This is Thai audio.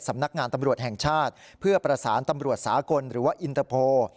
สำนักงานตำรวจแห่งชาติเพื่อประสานตำรวจสากลหรือว่าอินเตอร์โพล